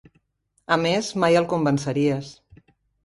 A més, mai el convenceries.